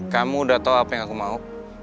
kamu udah tahu apa yang aku mau